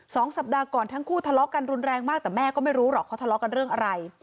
สองสัปดาห์ก่อนทั้งคู่ทะเลาะกันรุนแรงมากแต่แม่ก็ไม่รู้หรอกเขาทะเลาะกันเรื่องอะไร